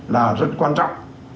là rất quan trọng